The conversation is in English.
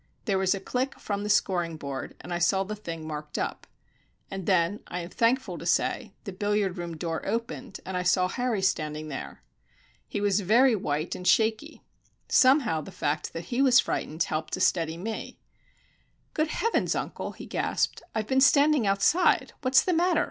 There was a click from the scoring board, and I saw the thing marked up. And then I am thankful to say the billiard room door opened, and I saw Harry standing there. He was very white and shaky. Somehow, the fact that he was frightened helped to steady me. "Good heavens, uncle!" he gasped, "I've been standing outside. What's the matter?